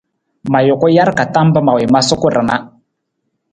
Ma juku jar ka tam mpa ma wii ma suku ra na.